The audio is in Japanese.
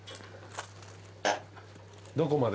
どこまで。